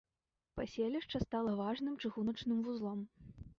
Паселішча стала важным чыгуначным вузлом.